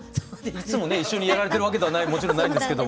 いつも一緒にやられてるわけではもちろんないんですけど。